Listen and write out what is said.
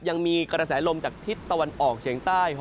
ยังมีกระแสลมจากทิศตะวันออกเฉียงใต้